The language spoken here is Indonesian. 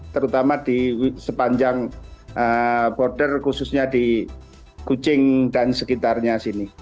terutama di sepanjang border khususnya di kucing dan sekitarnya sini